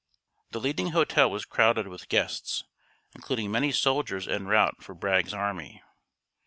The leading hotel was crowded with guests, including many soldiers en route for Bragg's army.